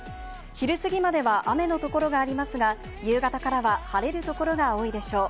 昼過ぎまでは雨の所がありますが、夕方からは晴れる所が多いでしょう。